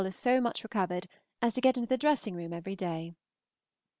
is so much recovered as to get into the dressing room every day.